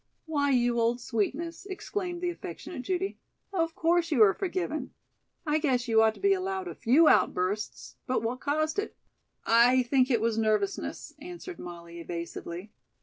"Why, you old sweetness," exclaimed the affectionate Judy, "of course, you are forgiven. I guess you ought to be allowed a few outbursts. But what caused it?" "I think it was nervousness," answered Molly evasively.